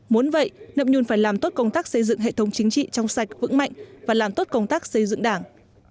muốn vậy nậm nhun phải làm tốt công tác xây dựng hệ thống chính trị trong sạch vững mạnh và làm tốt công tác xây dựng đảng